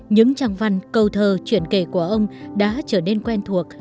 những trang văn câu thơ chuyện kể của ông đã trở nên quen thuộc